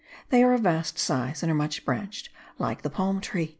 They are of vast size and are branched like the date palm.